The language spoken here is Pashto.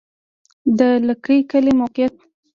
د دلکي کلی موقعیت